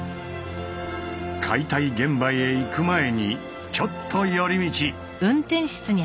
解体現場へ行く前にちょっと寄り道。